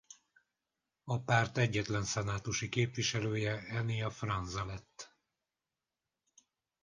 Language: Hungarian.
A párt egyetlen szenátusi képviselője Enea Franza lett.